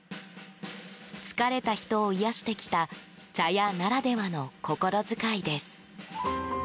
疲れた人を癒やしてきた茶屋ならではの心遣いです。